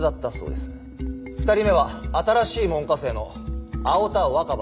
２人目は新しい門下生の青田若葉。